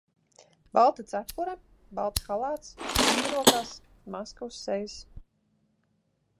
Balta cepure, balts halāts, cimdi rokās, maska uz sejas.